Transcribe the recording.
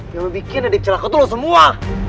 yang bikin nadif celaka tuh lu semua